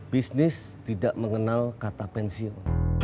bisnis tidak mengenal kata pensiun